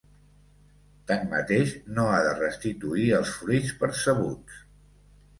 Tanmateix, no ha de restituir els fruits percebuts.